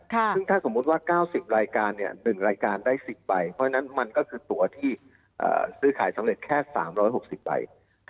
ซึ่งถ้าสมมุติว่า๙๐รายการ๑รายการได้๑๐ใบเพราะฉะนั้นมันก็คือตัวที่ซื้อขายสำเร็จแค่๓๖๐ใบ